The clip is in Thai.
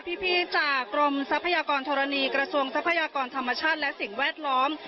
พี่จากกรมทรัพยากรธรณีกระทรวงทรัพยากรธรรมชาติและสิ่งแวดล้อม